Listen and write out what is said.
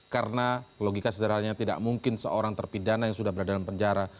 karena logika sederhananya tidak mungkin seorang terpidana yang sudah berada dalam penjara